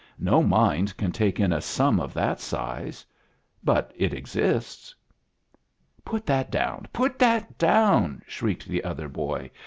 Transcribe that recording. "No mind can take in a sum of that size; but it exists." "Put that down! put that down!" shrieked the other boy.